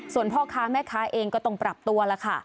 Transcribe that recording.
ส่วนพ่อค้าแม่ค้าเองก็ต้องปรับตัวแล้วค่ะ